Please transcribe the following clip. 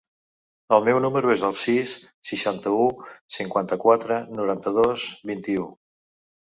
El meu número es el sis, seixanta-u, cinquanta-quatre, noranta-dos, vint-i-u.